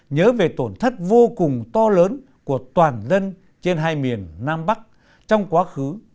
nhớ về tổn thất vô cùng to lớn của toàn dân trên hai miền nam bắc trong quá khứ